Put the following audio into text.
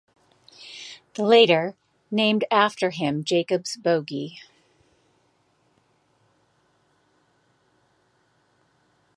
The later named after him Jakobs bogie.